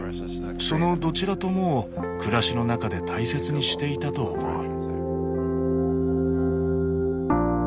そのどちらともを暮らしの中で大切にしていたと思う。